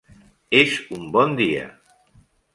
És un bon dia.